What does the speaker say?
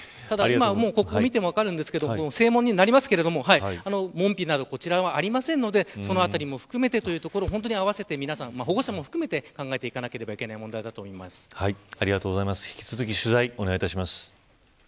ここを見ても分かりますが正門になりますが門扉など、こちらはありませんので、そのあたりも含めてというところ保護者も含めて考えていかなければいけないありがとうございます。